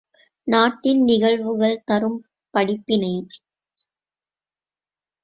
நாட்டின் நிகழ்வுகள் தரும் படிப்பினை!